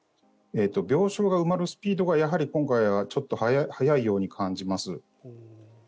病床が埋まるスピードは今回はやはり速いように感じます。